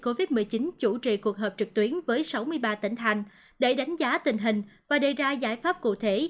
covid một mươi chín chủ trì cuộc họp trực tuyến với sáu mươi ba tỉnh hành để đánh giá tình hình và đề ra giải pháp cụ thể